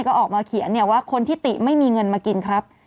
ก็ออกมาเขียนว่าคนที่ติไม่มีเงินมากินครับ